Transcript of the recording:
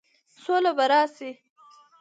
سوله به راشي؟